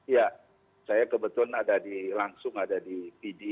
ya saya kebetulan ada di langsung ada di pd